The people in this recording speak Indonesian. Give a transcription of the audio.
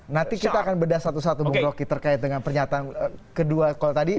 nanti kita akan bedah satu satu bung roky terkait dengan pernyataan kedua kalau tadi